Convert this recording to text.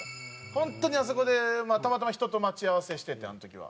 本当にあそこでたまたま人と待ち合わせしててあの時は。